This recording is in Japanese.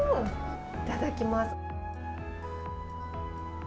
いただきます。